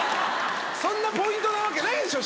そんなポイントなわけないでしょ